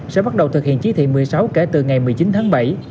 sẽ bắt đầu thực hiện chỉ thị một mươi sáu kể từ ngày một mươi chín tháng bảy